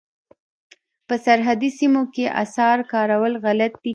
په سرحدي سیمو کې اسعار کارول غلط دي.